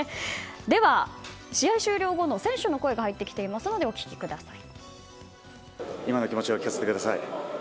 では、試合終了後の選手の声が入ってきていますのでお聞きください。